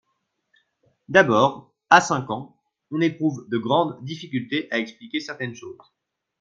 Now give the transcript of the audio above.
D'abord, a cinq ans, on éprouve de grandes difficultés à expliquer certaines choses.